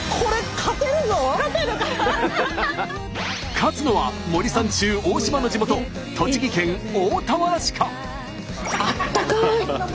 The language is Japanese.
勝つのは森三中大島の地元栃木県大田原市か？